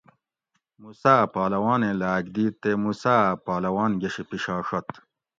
موسیٰ پہلوانیں لاک دِیت تے موسیٰ اۤ پہلوان گشی پشاڛت